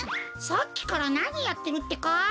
さっきからなにやってるってか？